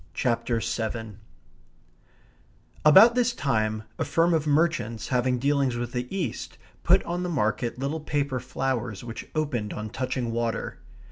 CHAPTER SEVEN About this time a firm of merchants having dealings with the East put on the market little paper flowers which opened on touching water.